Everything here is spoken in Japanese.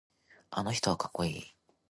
あの人はかっこいい。